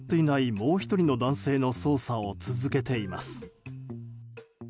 もう１人の男性の捜査を続けています。